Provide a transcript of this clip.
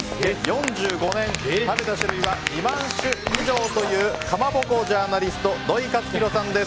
４５年食べた種類は２万種以上というかまぼこジャーナリスト土井雄弘さんです。